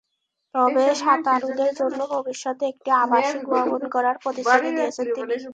তবে সাঁতারুদের জন্যও ভবিষ্যতে একটি আবাসিক ভবন গড়ার প্রতিশ্রুতি দিয়েছেন তিনি।